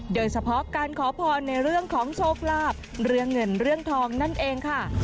โดยเฉพาะการขอพรในเรื่องของโชคลาภเรื่องเงินเรื่องทองนั่นเองค่ะ